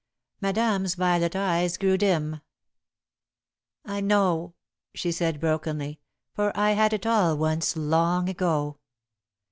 Madame's violet eyes grew dim. "I know," she said, brokenly, "for I had it all once, long ago.